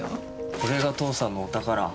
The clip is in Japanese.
これが父さんのお宝。